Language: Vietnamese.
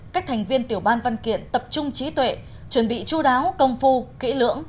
các thành viên tiểu ban văn kiện tập trung trí tuệ chuẩn bị chú đáo công phu kỹ lưỡng